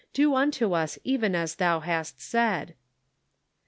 Do unto us even as thou hast said."